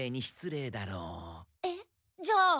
えっ？じゃあ。